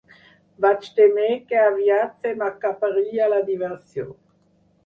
Vaig témer que aviat se m'acabaria la diversió.